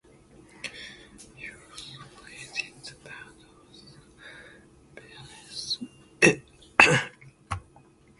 He also played in the band of the pianist Sweet Emma Barrett.